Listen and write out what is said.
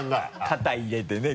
肩入れてね